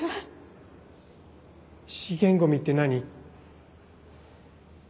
資源ゴミって何？